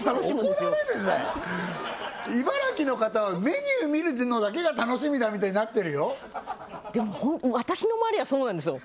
お前怒られるぜ茨城の方はメニュー見るのだけが楽しみだみたいになってるよでも私の周りはそうなんですよ